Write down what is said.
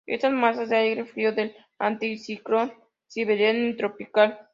Estas masas de aire frío del anticiclón siberiano, y tropical.